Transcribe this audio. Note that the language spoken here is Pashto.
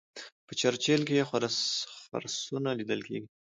په چرچیل کې خرسونه لیدل کیږي.